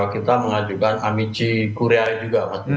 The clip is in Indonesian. kita mengajukan amici korea juga